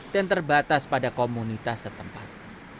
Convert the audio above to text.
dan terbatas pada komunitas setempat